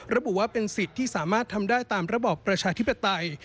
ระบุว่าเป็นสิทธิ์ที่สามารถทำได้ตามระบอบประชาธิปไตย